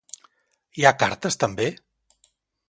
Hi ha cartes també?